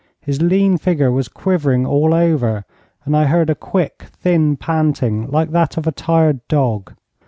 His lean figure was quivering all over, and I heard a quick, thin panting like that of a tired dog.